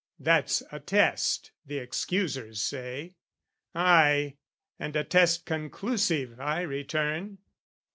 That's a test, the excusers say: Ay, and a test conclusive, I return.